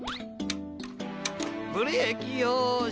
ブレーキよし。